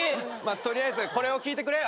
取りあえずこれを聴いてくれよ。